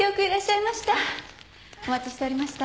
お待ちしておりました。